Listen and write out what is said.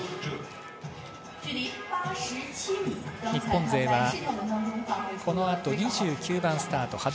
日本勢はこのあと２９番スタート